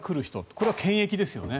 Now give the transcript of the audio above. これは検疫ですよね。